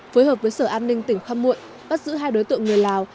phối hợp với sở an ninh tỉnh khăm muộn bắt giữ hai đối tượng người lào